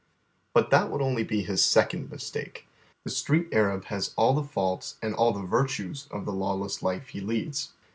But that would only be his second mistake. The Street Arab has all the faults and all the virtues of the lawless oy Google THE STREET ARAB. 197 life he leads.